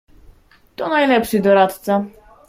"To najlepszy doradca."